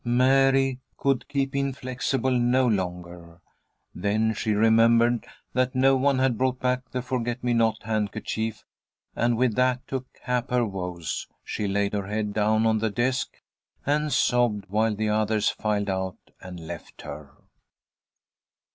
Mary could keep inflexible no longer. Then she remembered that no one had brought back the forget me not handkerchief, and with that to cap her woes, she laid her head down on the desk and sobbed while the others filed out and left her.